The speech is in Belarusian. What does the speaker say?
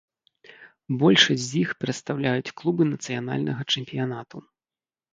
Большасць з іх прадстаўляюць клубы нацыянальнага чэмпіянату.